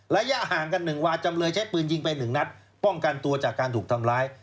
ระยะห่างกัน๑วาจำเลยใช้ปืนยิงไป๑นัดป้องกันตัวจากการถูกทำร้าย